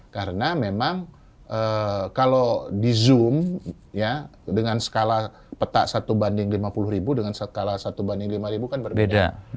karena memang kalau di zoom ya dengan skala peta satu banding lima puluh ribu dengan skala satu banding lima ribu kan berbeda